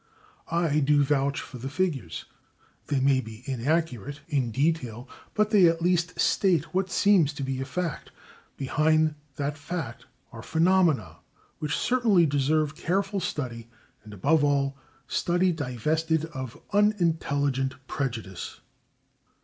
" I do vouch for the figures. They may be inaccurate, in detail, but they at least state what seems to be a fact. Behind that fact are phenomena which certainly deserve careful study, and, above all, study divested of unintelligent prejudice.